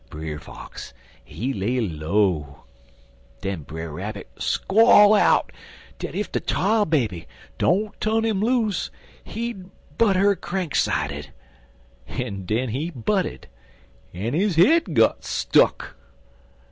Brer Fox, he lay low. Den Brer Rabbit squall out dat ef de Tar Baby don't tu'n 'im loose he butt 'er cranksided. En den he butted, en his head got stuck.